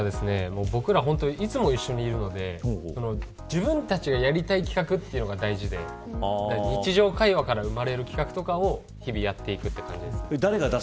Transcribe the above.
いつも一緒にいるので自分たちがやりたい企画が大事で日常会話から生まれる企画とかを日々やっていく感じです。